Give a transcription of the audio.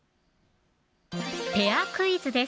ペアクイズです